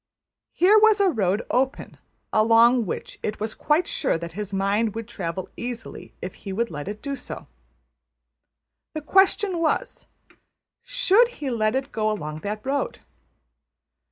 Here was a road open, along which it was quite sure that his mind would travel easily if he would let it do so. The question was: Should he let it go along that road?